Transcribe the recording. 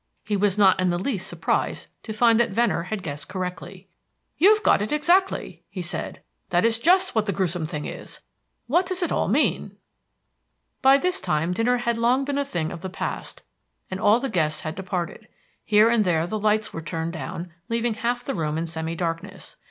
He was not in the least surprised to find that Venner had guessed correctly. "You've got it exactly," he said. "That is just what the gruesome thing is. What does it all mean?" By this time dinner had long been a thing of the past, and all the guests had departed. Here and there the lights were turned down, leaving half the room in semi darkness.